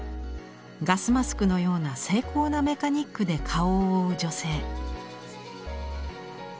ガスマスクのような精巧なメカニックで顔を覆う女性。